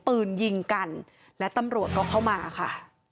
ปืนยิงกันและตำรวจก็เข้ามาค่ะ